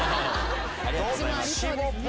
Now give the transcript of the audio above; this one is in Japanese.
ありがとうございます。